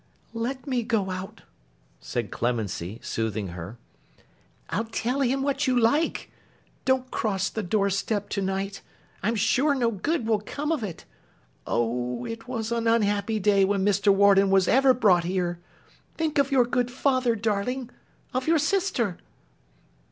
'Let me go out,' said Clemency, soothing her. 'I'll tell him what you like. Don't cross the door step to night. I'm sure no good will come of it. Oh, it was an unhappy day when Mr. Warden was ever brought here! Think of your good father, darling—of your sister.